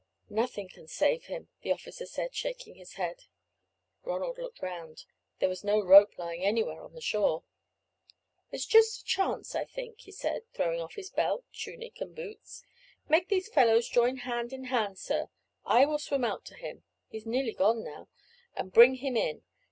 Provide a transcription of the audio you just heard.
"Nothing can save him," the officer said, shaking his head. Ronald looked round; there was no rope lying anywhere on the shore. "There's just a chance, I think," he said, throwing off his belt, tunic, and boots. "Make these fellows join hand in hand, sir; I will swim out to him he's nearly gone now and bring him in.